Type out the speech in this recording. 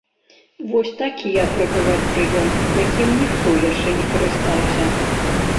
Вось такі апрабаваць прыём, якім ніхто яшчэ не карыстаўся.